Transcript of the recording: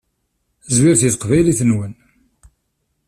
Zwiret seg teqbaylit-nwen.